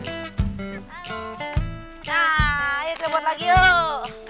nah ayo kerabot lagi yuk